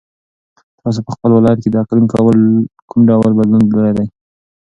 تاسو په خپل ولایت کې د اقلیم کوم ډول بدلونونه لیدلي دي؟